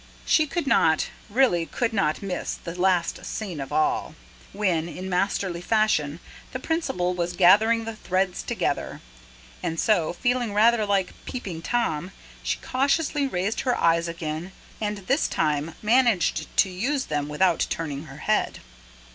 She could not, really could not miss the last scene of all, when, in masterly fashion, the Principal was gathering the threads together. And so, feeling rather like "Peeping Tom", she cautiously raised her eyes again, and this time managed to use them without turning her head.